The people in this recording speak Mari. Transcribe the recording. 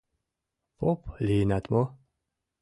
Поп лийынат мо?